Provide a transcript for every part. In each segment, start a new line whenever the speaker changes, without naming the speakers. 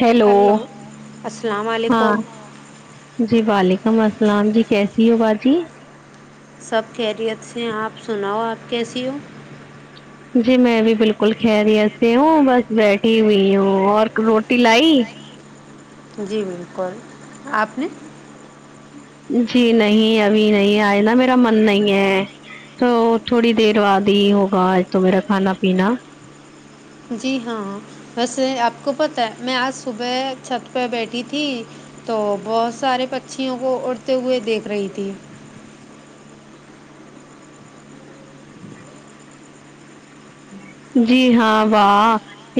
hello
hello السلام
ہاں
علیکم
جی وعلیکم السلام جی کیسی ہو باجی
سب خیریت سے ہیں آپ سناؤ آپ کیسی ہو
جی میں بھی بالکل خہریت سے ہوں بس بیٹھی ہوئی ہوں اور روٹی لائی
جی بالکل آپ نے
جی نہیں ابھی نہیں آئے نا میرا من نہیں ہے تو تھوڑی دیر بعد ہی ہوگا تو میرا کھانا پینا
جی ہاں ویسے آپ کو پتہ ہے میں آج صبح چھت پہ بیٹھی تھی تو بہت سارے پچیوں کو اڑتے ہوئے دیکھ رہی تھی
جی ہاں واہ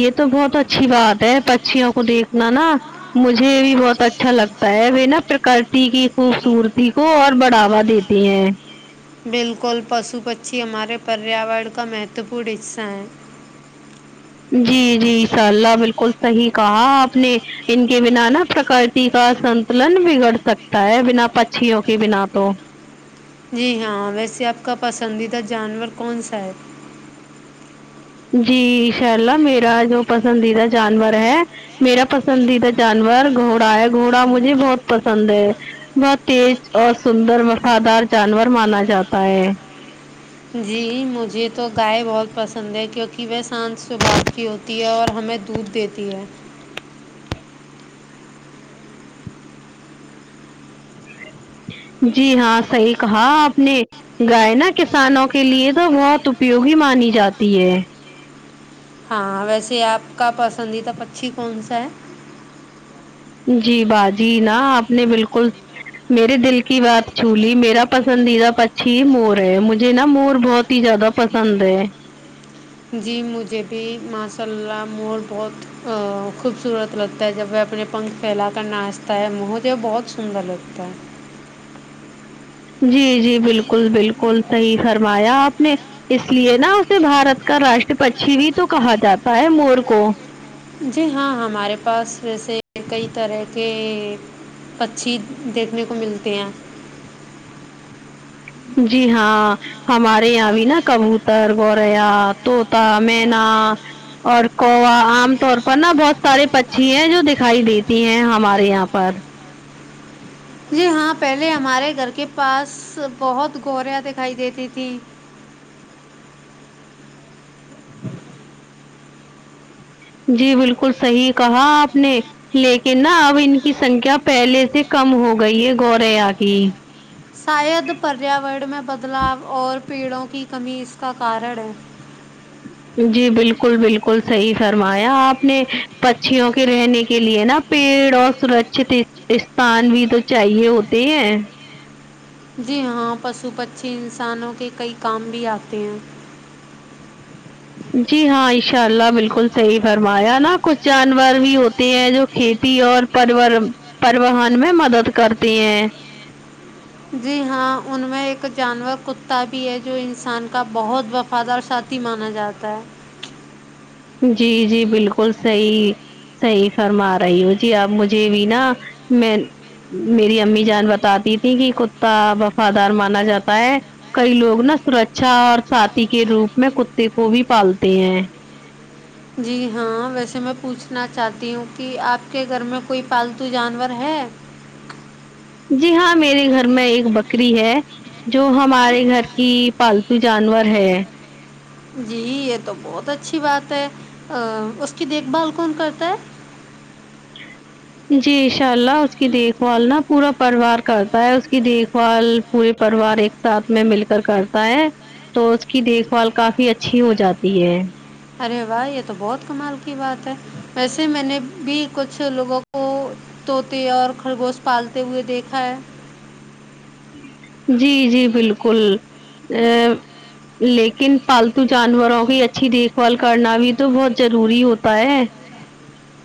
یہ تو بہت اچھی بات ہے پچیوں کو دیکھنا نا مجھے بھی بہت اچھا لگتا ہے وہ نا پرکرتی کی خوبصورتی کو اور بڑھاوا دی تی ہے
بالکل پشو پچھی ہمارے پریاورن کا مہتوپورن حصہ ہیں
جی جی ان شاء اللہ بالکل صحیح کہا آپ نے ان کے بنا نہا پرکرتی کا سنتلن بگڑ سکتا ہے بنا پچیوں کے بنا تو
جی ہاں ویسے آپ کا پسندیدہ جانور کون سا ہے
جی انشاء اللہ میرا جو پسندیدہ جانور ہے میرا پسندیدہ جانور گھوڑا ہے گھوڑا مجھے بہت پسند ہے بہت تیز اور سندر وفادار جانور مانا جاتا ہے
جی مجھے تو گائے بہت پسند ہے کیونکہ وہ سانت سباؤ کی ہوتی تی ہے اور ہمیں دودھ دیتی ہے
جی ہاں صحیح کہا آپ نے گائے نا کسانوں کے لیے تو بہت اپیوگی مانی جاتی ہے
ہاں ویسے آپ کا پسندیدہ پچھی کون سا ہے
جی باجی نا آپ نے بالکل میرے دل کی بات چھولی میرا پسندیدہ پچھی مور ہے مجھے نا مور بہت ہی زیادہ پسند ہے
جی مجھے بھی ماشاء اللہ مور بہت خوبصورت لگتا ہے جب وہ اپنے پنکھ پھیلا کر ناچتا ہے مجھے بہت سندر لگتا ہے
جی جی بالکل بالکل صحیح فرمایا آپ نے اس لیے نا اسے بھارت کا راشٹر پچھی بھی تو کہا جاتا ہے مور کو
جی ہاں ہمارے پاس ویسے کئی طرح کے پچھی دیکھنے کو ملتے ہیں
جی ہاں ہمارے یہاں بھی نا کبوتر گوریا طوطا مینا اور کوا عام طور پر نا بہت سارے پنچھی ہیں جو دکھائی دیتی ہیں ہمارے یہاں پر
جی ہاں پہلے ہمارے گھر کے پاس بہت گوریاں دکھائی دیتی تھیں
جی بالکل صحیح کہا آپ نے لیکن نا اب ان کی سنکھیا پہلے سے کم ہو گئی ہے گوریا کی
شاید پریاورن میں بدلاؤ اور پیڑوں کی کمی اس کا کارن ہے
جی بالکل بالکل صحیح فرمایا آپ نے پچیوں کے رہنے کے لیے نا پیڑ اور سرکچت استان بھی تو چاہیے ہوتے ہیں
جی ہاں پشو پکشی انسانوں کے کئی کام بھی آتے ہیں
جی ہاں انشاء اللہ بالکل صحیح فرمایا نا کچھ جانور بھی ہوتے ہیں جو کھیتی اور پروارم پرون میں مدد کرتے ہیں
جی ہاں ان میں ایک جانور کتا بھی ہے جو انسان کا بہت وقت فادر ساتھی مانا جاتا ہے
جی جی بالکل صحیح صحیح فرما رہی ہو جی اب مجھے بھی نا میں میری امی جان بتاتی تھی کہ کتا وفادار مانا جاتا ہے کئی لوگ نا سرچھا اور ساتھی کے روپ میں کتے کو بھی پالتے ہیں
جی ہاں ویسے میں پوچھ نا چاہتی ہوں کی آپ کے گھر میں کوئی پالتو جانور ہے
جی ہاں میرے گھر میں ایک بکری ہے جو ہمارے گھر کی پالتو جانور ہے
جی یے تو بہت اچھی بات ہے اس کی دیکھ بھال کون کرتا ہے
جی انشاء اللہ اس کی دیکھ بھال نا پورا پریوار کرتا ہے اس کی دیکھ بھال پورے پریوار ایک ساتھ میں مل کر کرتا ہے تو اس کی دیکھ بھال کافی اچھی ہو جاتی ہے
ارے واہ یے تو بہت کمال کی بات ہے ویسے میں نے بھی کچھ لوگوں کو طوتے اور خرگوش پالتے ہوئے دیکھا ہے
جی جی بالکل آ لیکن پالتو جانوروں کی اچھی دیکھ بھال کرنا بھی تو بہت ضروری ہوتا ہے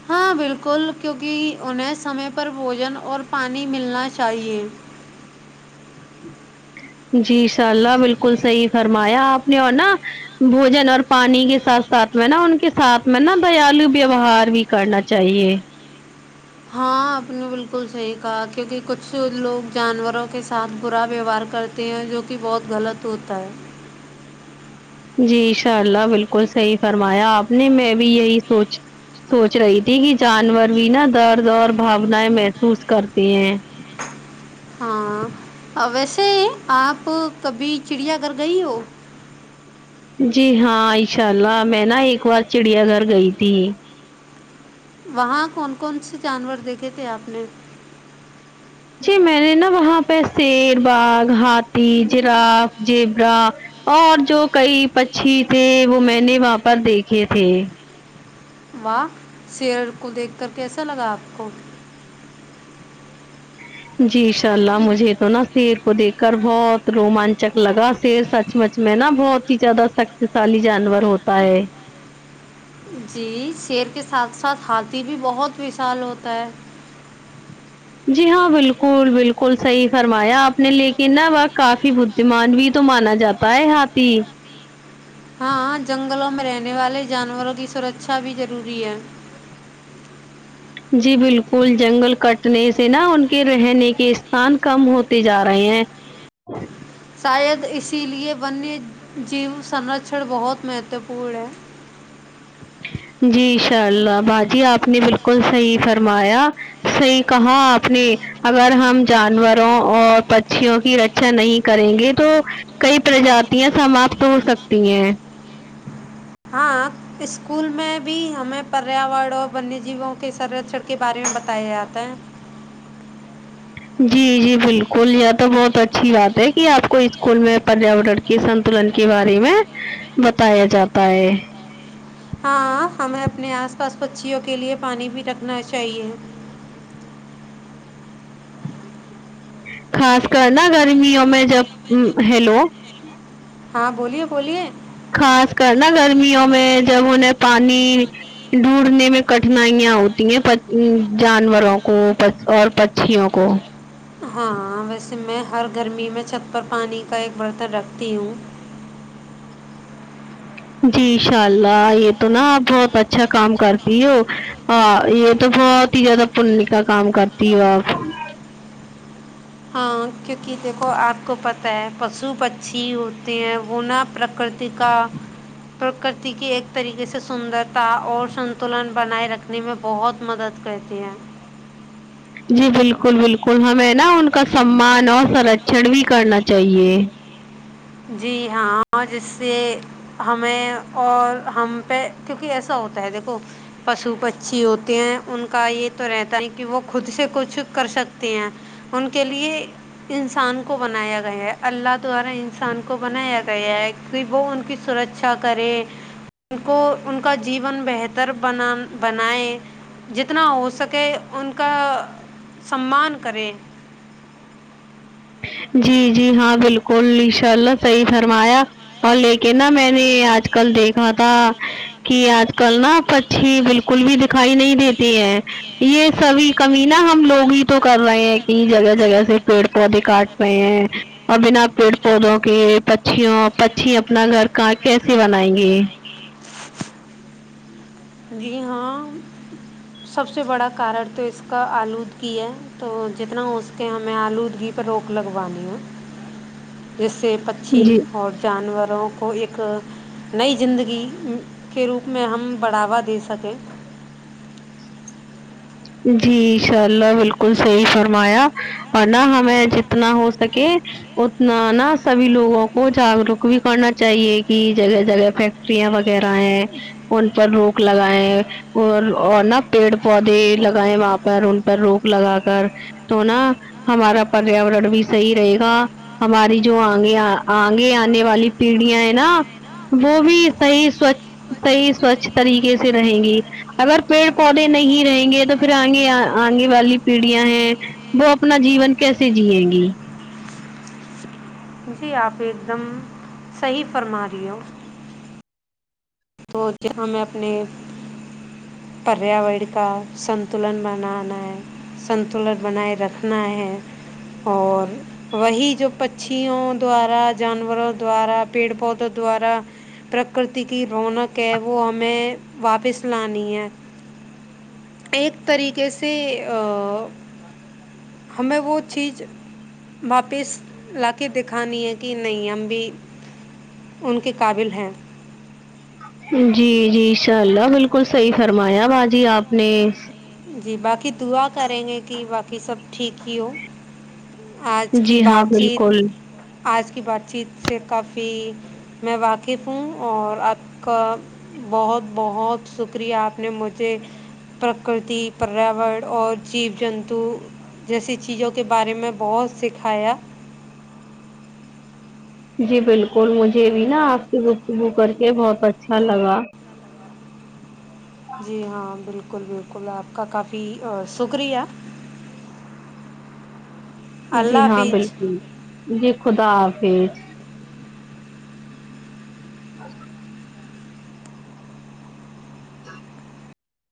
ہاں بالکل کیونکی انہیں سمے پر بھوجن اور پانی ملنا چاہیے
جی شاء اللہ بالکل صحیح فرمایا آپ نے اور نا بوجن اور پانی کے ساتھ ساتھ میں نا ان کے ساتھ میں نا دیالو ویوہار بھی کرنا چاہیے
ہاں آپ نے بالکل صحیح کہا کیونکہ کچھ لوگ جانوروں کے ساتھ برا ویوہار کر تے ہیں جو کی بہت غلط ہوتا ہے
جی انشاء اللہ بالکل صحیح فرمایا آپ نے میں بھی یہی سوچ سوچ رہی تھی کہ جانور بھی نا درد اور بھاونائیں محسوس کرتے ہیں
ہاں ویسے آپ کبھی چڑیا گھر گئی ہو
جی ہاں انشاء اللہ میں نا ایک بار چڑیا گھر گئی تھی
وہاں کون کون سے جانور دیکھے تھے آپ نے
جی میں نے نا وہاں پے شیر باغ ہاتھی جراف جیبرا اور جو کئی پچھی تھے وہ میں نے وہاں پر دیکھے تھے
واہ شیر کو دیکھ کر کیسا لگا آپ کو
جی انشاء اللہ مجھے تو نا شیر کو دیکھ کر بہت رومانچک لگا شیر سچ سچ مچ میں نا بہت ہی زیادہ شکتیشالی جانور ہوتا ہے
جی شیر کے ساتھ ساتھ ہاتھی بھی بہت وشال ہوتا ہے
جی ہاں بالکل بالکل صحیح فرمایا آپ نے لیکن نا وہاں کافی بت بودیمان بھی تو مانا جاتا ہے ہاتھی
ہاں جنگلوں میں رہنے والے جانوروں کی سرکچھا بھی ضروری ہے
جی بالکل جنگل کٹنے سے نا ان کے رہنے کے استان کم ہوتے جا رہے ہیں
شاید اسی لیے ونیہ جیو سنرکچن بہت مہتوپورن ہے
جی انشاء اللہ باجی آپ نے بالکل صحیح فرمایا صحیح کہا آپ نے اگر ہم جانوروں اور پچیوں کی رکشا نہیں کریں گے تو کئی پرجاتیاں سماپت ہو سکتی ہیں
ہاں اسکول میں بھی ہمیں پریاور اور ونیہ جیووں کے سرکش کے بارے میں بتایا جاتا ہے [unintelligible]
جی جی بالکل تو بہت یے تو بہت اچھی بات ہے کی آپ کو اسکول میں پریاورن کے سنتلن کے بارے میں بتایا جاتا ہے
ہاں ہمیں اپنے آس پاس پکچیوں کے لیے پانی بھی رکھنا چاہیے
خاص کر نا گرمیوں میں جب ہیلو
ہاں بولیے بولیے
خاص کر نا گرمیوں میں جب انیں پانی ڈھونڈنے میں کٹھنائیاں ہوتی ہیں پچ جانوروں کو اور پک پکچھیوں کو
ہاں ویسے میں ہر گرمی میں چھت پر پانی کا ایک برتن رکھتی ہوں
جی ان شاء اللہ یہ تو نا آپ بہت اچھا کام کرتی ہو ہاں یہ تو بہت ہی زیادہ پنے کا کام کرتی ہو آپ
ہاں کیونکہ دیکھو آپ کو پت ہے پشو پکچھی ہوتے ہیں وہ نہ پرکرتی تی کا پرکرتی کی ایک طریقے سے سندرتا اور سنتولن بنائے رکھنے میں بہت مدد کرتی ہیں
جی بالکل بالکل ہمیں نا ان کا سمان اور سرچن بھی کرنا چاہیے
جی ہاں جس سے ہمیں اور ہم پہ کیونکہ ایسا ہوتا ہے دیکھو پشو پچھی ہوتے ہیں ان کا یہ تو رہتا ہے کہ وہ خود سے کچھ کر سکتے ہیں ان کے لیے انسان کو بنایا گیا ہے اللہ دوارا ان انسان کو بنایا گیا ہے کہ وہ ان کی سرکچا کرے ان کو ان کا جیون بہتر بان بنائے جتنا ہو سکے ان کا سمان کریں
جی جی ہاں بالکل انشا اللہ صحیح فرمایا اور لے کے نا میں نے آج کل دیکھنا تھا کہ آج کل نا پکچھی بالکل بھی دکھائی نہیں دیتے ہے یہ سبھی کمی نا ہم لوگ ہی تو کر رہے ہیں کہ جگہ جگہ سے پیڑ پودے کاٹ رہے ہے اور بنا پیڑ پودوں کے پچہیںو پچھی اپنا گھر کا کیسے بنائیں گے
جی ہاں سب سے بڑا کارن تو اس کا آلود کی ہے تو جتنا ےہو سکے ہمیں آلودگی پ روک لگوانی ہے جس سے
جی
پکچہ اور [unintelligible] جانوروں کو ایک نئی زندگی ام کے روپ میں ہم بڑھاوا دے سکے
جی انشاء اللہ بالکل صحیح فرمایا اور نہ ہمیں جتنا ہو سکے اتنا نا سبھی لوگوں کو جاگروک بھی کرنا چاہیے کہ جگہ جگہ فیک ٹریاں وغیرہ ہیں ان پر روک لگائے اور اور نا پیڑ پودے لگا گئے وہاں پر ان پر روک لگا کر تو نا ہمارا پریاورن بھی صحیی رہے گا ہماری جو آگے آگے آنے والی پیڑیاں ہے نا وہ بھی صحیی سوچھ صحیح سوچھ طریقے سے رہیں گی اگر پیڑ پودے نہیں رہیں گے تو پھر آگے آگے والی پیڑیاں ہیں وہ اپنا جیون کیسے جی گی
جی آپ ایک دم صحیح فرما رہی ہو تو ج ہم میں اپنے پریاورن کا سنتولن بنانا ہے سنتولن بنائے رکھنا ہے اور وہی جو پچیوں دوارا جانوروں دوارا پیڑ پودوں دوارا پرکرتی کی رونق ہے وہ ہمیں واپس لانی ہے ایک طریقے سے ا ہمیں وہ چیز واپس لا کے دکھانی ہے کی نہیں ہم بھی ان کے قابل ہیں
جی جی انشاء اللہ بالکل صحیح فرمایا باجی آپ نے
جی باقی دعا کریں گے کی باقی سب ٹھیک ہی ہو آج کی
جی ہاں
بات
بالکل
چیت آج کی بات چیت سے کافی میں واقف ہوں اور آپ کا بہت بہت شکریہ آپ نے مجھے پرکرتی پریاور اور جیو جنتو جیسی چیزوں کے بارے میں بہت سکھایا
جی بالکل مجھے بھی نا آپ سے گفتگو کر کے بہت اچھا لگا
جی ہاں بالکل بالکل آپ کا کافی شکریہ اللہ
جی ہاں
حافظ
بالکل جی خدا حافظ